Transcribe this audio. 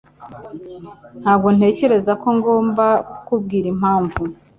Ntabwo ntekereza ko ngomba kukubwira impamvu.